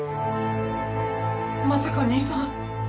まさか兄さん！